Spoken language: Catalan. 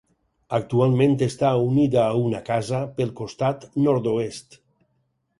Actualment està unida a una casa pel costat nord-oest.